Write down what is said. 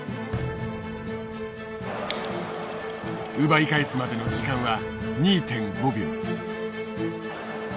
奪い返すまでの時間は２．５秒。